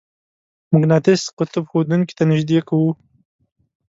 مقناطیس قطب ښودونکې ته نژدې کوو.